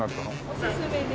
おすすめで。